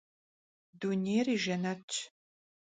Dunêyr yi jjenetş.